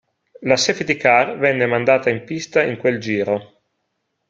La safety car venne mandata in pista in quel giro.